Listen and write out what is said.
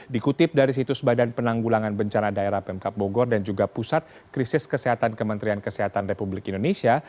dikutip dari situs badan penanggulangan bencana daerah pemkap bogor dan juga pusat krisis kesehatan kementerian kesehatan republik indonesia